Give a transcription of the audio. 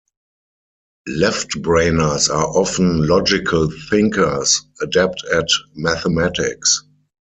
'Left-brainers' are often logical thinkers, adept at mathematics.